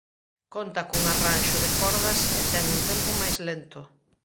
Conta cun arranxo de cordas e ten un tempo máis lento.